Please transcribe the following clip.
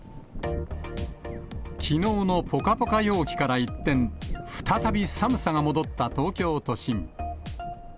きのうのぽかぽか陽気から一転、再び寒さが戻った東京都心。